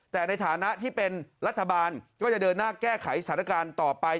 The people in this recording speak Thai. แต่ในฐานะที่เป็นรัฐบาลก็จะเดินหน้าแก้ไขสถานการณ์ต่อไป